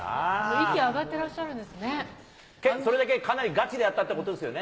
息上がってらっしゃるんですそれだけかなりガチでやったってことですよね？